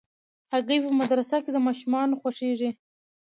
هګۍ په مدرسه کې د ماشومانو خوښېږي.